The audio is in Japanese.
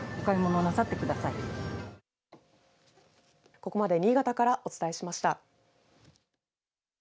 ここまで新潟からお伝えしました。